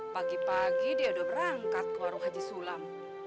pagi pagi dia sudah berangkat ke warung haji sulam